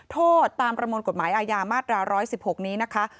โทษตามประมวลกฎหมายอาญามาตรา๑๑๖นี้นะคะ